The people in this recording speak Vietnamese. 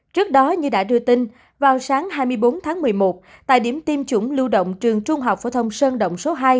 trước đó như đã đưa tin vào sáng hai mươi bốn tháng một mươi một tại điểm tiêm chủng lưu động trường trung học phổ thông sơn động số hai